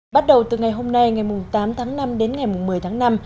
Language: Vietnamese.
bắt đầu từ ngày hôm nay ngày tám tháng năm đến ngày một mươi tháng năm